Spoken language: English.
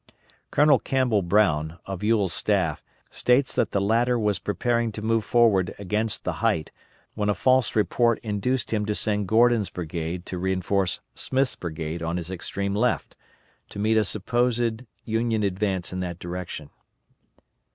Colonel Campbell Brown, of Ewell's staff, states that the latter was preparing to move forward against the height, when a false report induced him to send Gordon's brigade to reinforce Smith's brigade on his extreme left, to meet a supposed Union advance in that direction.